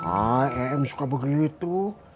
ah em suka begitu